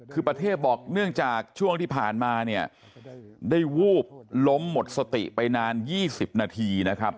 คือประเทศบอกเนื่องจากช่วงที่ผ่านมาเนี่ยได้วูบล้มหมดสติไปนาน๒๐นาทีนะครับ